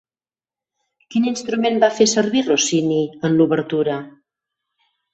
Quin instrument va fer servir Rossini en l'obertura?